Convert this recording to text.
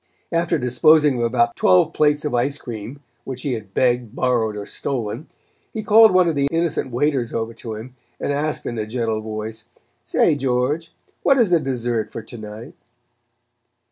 After disposing of about twelve plates of ice cream, which he had begged, borrowed or stolen, he called one of the innocent waiters over to him and asked in a gentle voice: "Say, George, what is the dessert for to night?"